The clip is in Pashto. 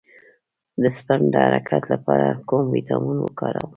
د سپرم د حرکت لپاره کوم ویټامین وکاروم؟